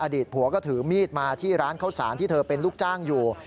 อดีตผัวก็ถือมีดมาที่ร้านข้าวสารที่เธอเป็นลูกจ้างอยู่